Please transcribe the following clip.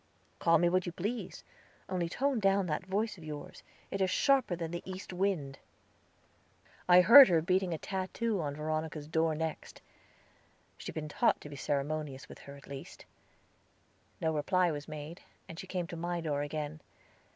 "Call me what you please, only tone down that voice of yours; it is sharper than the east wind." I heard her beating a tattoo on Veronica's door next. She had been taught to be ceremonious with her, at least. No reply was made, and she came to my door again.